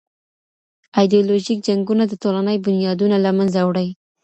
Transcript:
ایډیالوژیک جنګونه د ټولني بنیادونه له منځه وړي.